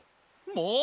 もう！